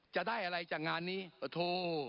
จะได้อะไรจากงานนี้ปะโถ